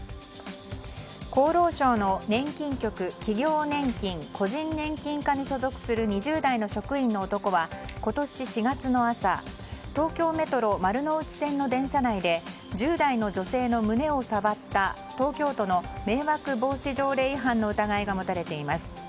厚労省の年金局企業年金・個人年金課に所属する所属する２０代の職員の男は今年４月の朝東京メトロ丸ノ内線の電車内で１０代の女性の胸を触った東京都の迷惑防止条例違反の疑いが持たれています。